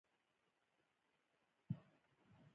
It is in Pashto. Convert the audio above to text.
په پښتو ژبه د عصري ژبپوهنې کار محدود دی.